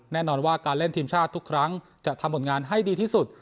แน่นอนว่าการเล่นทีมชาติทุกครั้งจะทำผลงานให้ดีที่สุด